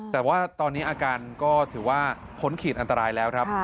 แต่ว่าตอนนี้อาการก็ถือว่าพ้นขีดอันตรายแล้วครับ